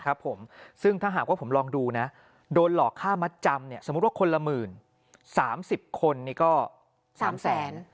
ครับผมซึ่งถ้าหากว่าผมลองดูนะโดนหลอกค่ามัดจำเนี่ยสมมุติว่าคนละหมื่นสามสิบคนนี่ก็๓แสน